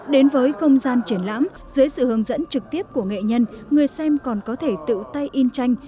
đến với không gian triển lãm dưới sự hướng dẫn trực tiếp của nghệ nhân người xem còn có thể tự tay in tranh